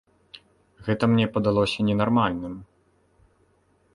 Гэта мне падалося ненармальным.